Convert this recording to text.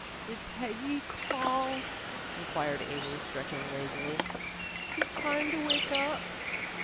"Did Peggy call?" inquired Amy stretching lazily. "Is it time to wake up?"